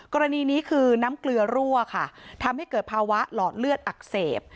กรณีนี้คือน้ำเกลือรั่วค่ะทำให้เกิดภาวะหลอดเลือดอักเสบ